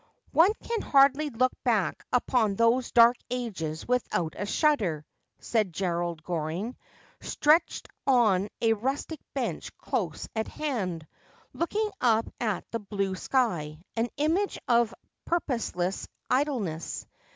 ' One can hardly look back upon those dark ages without a shudder,' said G erald Goring, stretched on a rustic bench close at hand, looking up at the blue sky, an image of purposeless idleness.